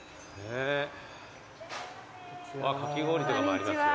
かき氷とかもありますよ。